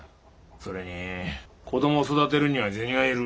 それに子供育てるには銭がいる。